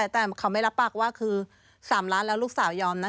แต่เขาไม่รับปากว่าคือ๓ล้านแล้วลูกสาวยอมนะ